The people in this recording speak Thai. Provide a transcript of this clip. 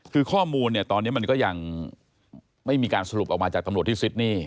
คือข้อมูลเนี่ยตอนนี้มันก็ยังไม่มีการสรุปออกมาจากตำรวจที่ซิดนี่